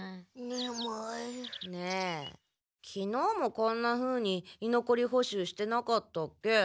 ねえきのうもこんなふうに居残り補習してなかったっけ？